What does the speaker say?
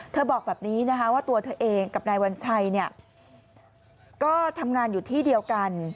บอกแบบนี้นะคะว่าตัวเธอเองกับนายวัญชัยก็ทำงานอยู่ที่เดียวกัน